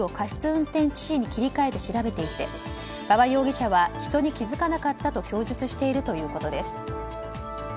運転致死に切り替えて調べていて馬場容疑者は人に気付かなかったと供述しているということです。